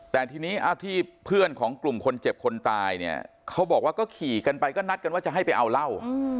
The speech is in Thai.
แต่ทีนี้ที่เพื่อนของกลุ่มคนเจ็บคนตายเนี่ยเขาบอกว่าก็ขี่กันไปก็นัดกันว่าจะให้ไปเอาเหล้า